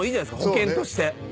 保険として。